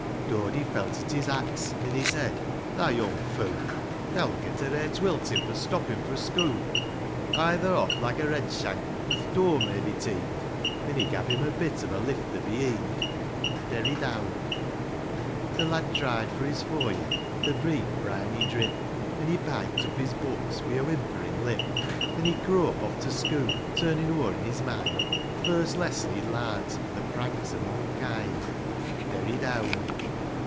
VIII. Dody felt at his axe, — an' he said, "Thou young foo'; Thou'lt get a rare twiltin' for stoppin' fro' schoo' ; Hie tho' off, like a red shank, or th' dur may be teen'd :' An' he gav' him a bit of a lifter beheend. Derry down. IX. Th' lad dried fro' his for yed the breet briny drip ; An' he pike'd up his books, wi' a wimperin' lip ; An' he crope off to schoo', turnin' o'er in his mind Th' first lesson he'd larn't i' the pranks o' monkind. Derry down.